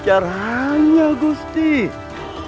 saya beliau sukses